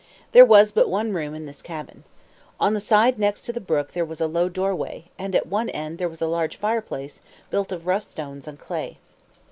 There was but one room in this cabin. On the side next to the brook there was a low doorway; and at one end there was a large fireplace, built of rough stones and clay.